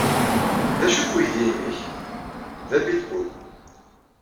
D acu-t uydi-nnek? D apitbul.